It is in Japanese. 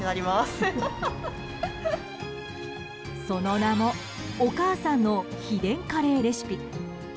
その名もお母さんの秘伝カレーレシピ。